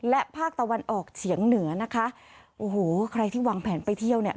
และภาคตะวันออกเฉียงเหนือนะคะโอ้โหใครที่วางแผนไปเที่ยวเนี่ย